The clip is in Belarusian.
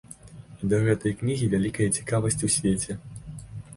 І да гэтай кнігі вялікая цікавасць у свеце.